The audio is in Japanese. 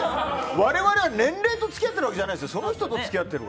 我々は年齢と付き合ってるわけじゃないですよ。